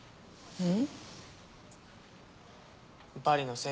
うん！